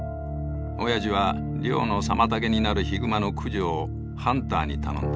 おやじは漁の妨げになるヒグマの駆除をハンターに頼んだ。